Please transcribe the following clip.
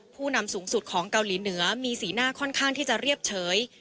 ผู้นำสูงสุดของเกาหลีเหนือมีสีหน้าค่อนข้างที่จะเรียบเฉย